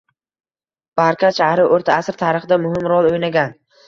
Barkat shahri o‘rta asr tarixida muhim rol o‘ynagan.